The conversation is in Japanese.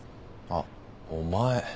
あっお前。